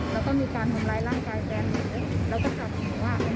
แล้วก็มีการทำลายร่างกายแปลงมือแล้วก็ถัดหนูมา